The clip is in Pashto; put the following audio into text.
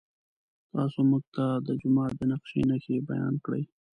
تاسو موږ ته د جومات د نقشې نښې بیان کړئ.